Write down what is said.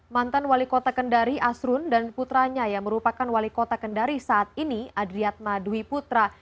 mantan wali kota kendari asrun dan putranya yang merupakan wali kota kendari saat ini adriatma dwi putra